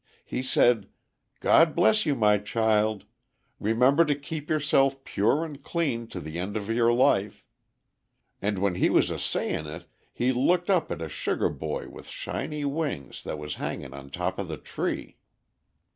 He said, 'God bless you, my child! Remember to keep yourself pure and clean to the end of your life.' And when he was a saying it, he looked up at a sugar boy with shiny wings that was hanging on the top of the tree."